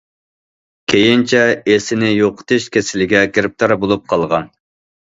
كېيىنچە ئېسىنى يوقىتىش كېسىلىگە گىرىپتار بولۇپ قالغان.